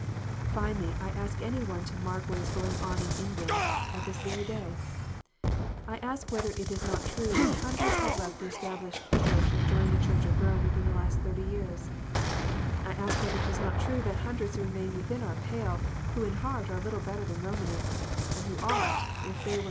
Finally, I ask any one to mark what is going on in England at this very day ? I ask whether it is not true that hundreds have left the Established Church and joined the Church of Rome within the last thirty years 1 I ask whether it is not true that hundreds remain within our pale, who in heart are little better than Romanists, and who ought, if they were 334 KNOTS UNTIED.